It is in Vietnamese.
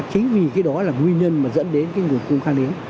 chính vì cái đó là nguyên nhân mà dẫn đến cái nguồn cung cao đến